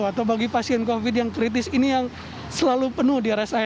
atau bagi pasien covid yang kritis ini yang selalu penuh